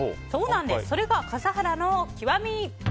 それが笠原の極み。